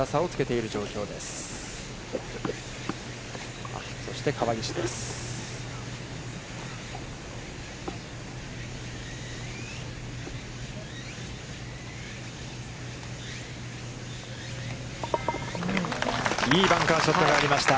いいバンカーショットがありました。